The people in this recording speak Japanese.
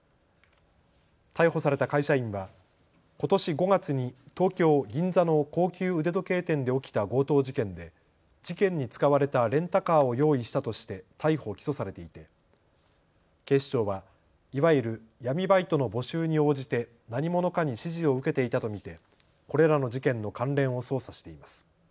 逮捕された会社員はことし５月に東京銀座の高級腕時計店で起きた強盗事件で事件に使われたレンタカーを用意したとして逮捕・起訴されていて警視庁はいわゆる闇バイトの募集に応じて何者かに指示を受けていたと見てこれらの事件の関連を捜査しています。